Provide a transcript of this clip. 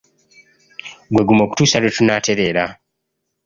Gwe guma okutuusa lwe tunaatereera.